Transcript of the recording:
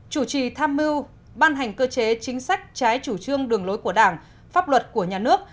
chủ trì tham mưu ban hành cơ chế chính sách trái chủ trương đường lối của đảng pháp luật của nhà nước